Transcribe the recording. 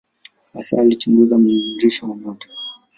Hasa alichunguza mnururisho wa nyota.